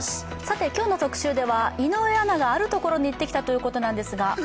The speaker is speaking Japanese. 今日の特集では井上アナがあるところに行ってきたということですが。